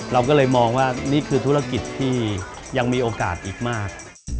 เราก็เลยมองว่านี่คือธุรกิจที่ยังมีโอกาสอีกมาก